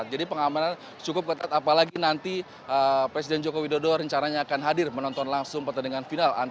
jadi pengamanan cukup ketat apalagi nanti presiden joko widodo rencananya akan hadir menonton langsung pertandingan final